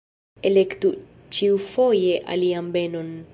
Elektu ĉiufoje alian benon.